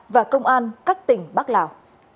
và công an các tỉnh bắc lào